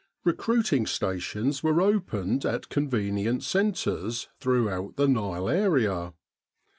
Recruiting stations were opened at convenient centres throughout the Nile area.